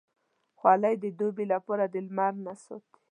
خولۍ د دوبې لپاره د لمر نه ساتي.